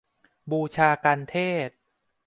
บูชากัณฑ์เทศน์